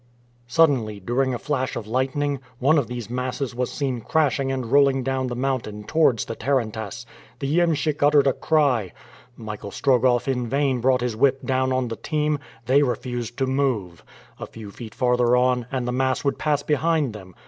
Suddenly, during a flash of lightning, one of these masses was seen crashing and rolling down the mountain towards the tarantass. The iemschik uttered a cry. Michael Strogoff in vain brought his whip down on the team, they refused to move. A few feet farther on, and the mass would pass behind them!